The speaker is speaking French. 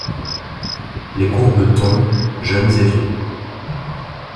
Les courbe tons ; jeunes et vieux.